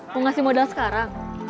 mau ngasih modal sekarang